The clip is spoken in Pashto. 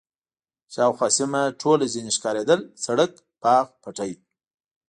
شاوخوا سیمه ټوله ځنې ښکارېدل، سړک، باغ، پټی.